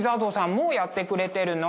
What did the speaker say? もうやってくれてるの？